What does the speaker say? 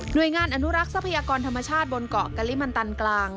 โดยงานอนุรักษ์ทรัพยากรธรรมชาติบนเกาะกะลิมันตันกลาง